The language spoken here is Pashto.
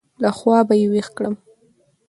له خوابه يې وېښ کړم.